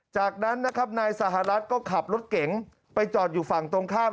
จากนั้นนะครับนายสหรัฐก็ขับรถเก๋งไปจอดอยู่ฝั่งตรงข้าม